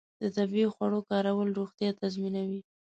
د طبیعي خوړو کارول روغتیا تضمینوي.